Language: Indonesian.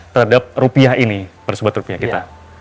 terhadap rupiah ini bersebut rupiah kita